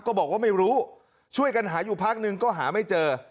บอกว่าไม่รู้ช่วยกันหาอยู่พักนึงก็หาไม่เจอ